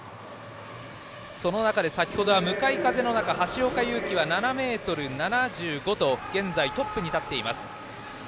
その中で先程、向かい風の中橋岡優輝は７ｍ７５と現在トップに立っています。